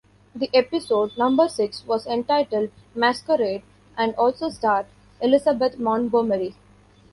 The episode, number six, was entitled "Masquerade" and also starred Elizabeth Montgomery.